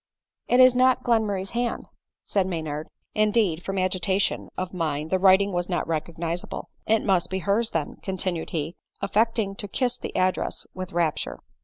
" It is not Glenmurray's hand," said Maynard — (in deed, from agitation of mind the writing was not recog nisable.) " It must be hers then," continued he, affecting to kiss the address with rapture.